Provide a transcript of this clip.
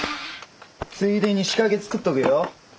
ついでに仕掛け作っとくよ。